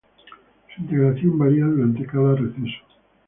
Su integración varia durante cada receso.